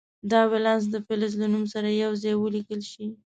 دا ولانس د فلز له نوم سره یو ځای ولیکل شي.